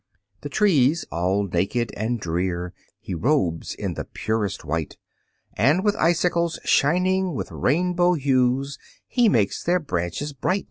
The trees, all naked and drear, He robes in the purest white, And with icicles shining with rainbow hues, He makes their branches bright.